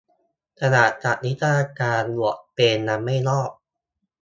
"ขนาดจัดนิทรรศการอวยเปรมยังไม่รอด"